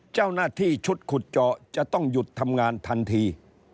เจ้าหน้าที่ชุดขุดเจาะจะต้องหยุดทำงานทันที